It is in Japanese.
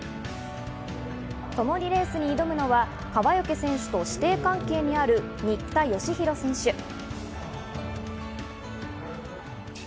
ともにレースに挑むのは川除選手と師弟関係にある新田佳浩選手。